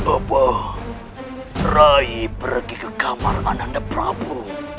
apa rai pergi ke kamar ananda prabu